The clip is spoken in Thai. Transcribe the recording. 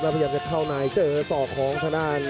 แล้วพยายามจะเข้าในเจอสอกของทะนาน